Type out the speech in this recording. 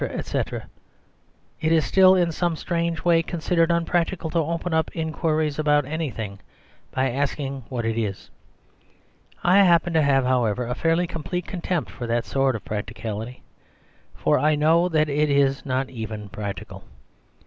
etc." It is still in some strange way considered unpractical to open up inquiries about anything by asking what it is. I happen to have, however, a fairly complete contempt for that sort of practicality; for I know that it is not even practical.